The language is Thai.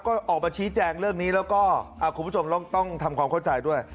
ก็ออกมาชี้แจงเรื่องนี้แล้วก็คุณผู้ชมต้องทำความเข้าใจด้วย